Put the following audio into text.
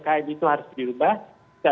kita harus berusaha